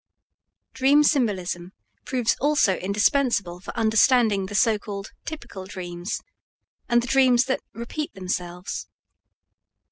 Dream symbolism proves also indispensable for understanding the so called "typical" dreams and the dreams that "repeat themselves."